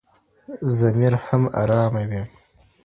ضمير هم ارامه وي.